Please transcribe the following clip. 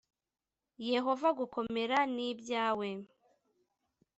Yehova gukomera ni ibyawe